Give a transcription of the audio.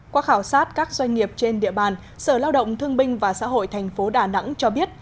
qua khảo sát các doanh nghiệp trên địa bàn sở lao động thương binh và xã hội thành phố đà nẵng cho biết